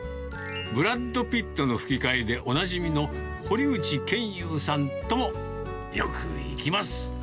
ブラッド・ピットの吹き替えでおなじみの、堀内賢雄さんともよく行きます。